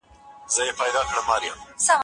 زه اوس د کتابتوننۍ سره خبري کوم.